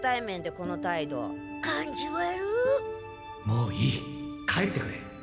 もういい帰ってくれ！